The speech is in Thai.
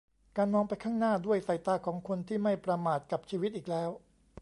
การมองไปข้างหน้าด้วยสายตาของคนที่ไม่ประมาทกับชีวิตอีกแล้ว